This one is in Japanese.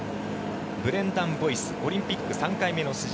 ブレンダン・ボイスオリンピック３回目の出場。